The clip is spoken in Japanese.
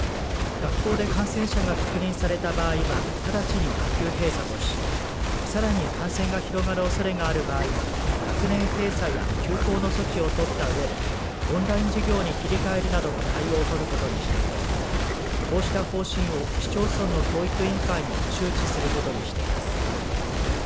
学校で感染者が確認された場合はただちに学級閉鎖としさらに感染が広がるおそれがある場合は学年閉鎖や休校の措置を取ったうえでオンライン授業に切り替えるなどの対応を取ることにしていて、こうした方針を市町村の教育委員会にも周知することにしています。